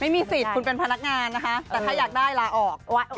ไม่มีสิทธิ์คุณเป็นพนักงานนะคะแต่ถ้าอยากได้ลาออก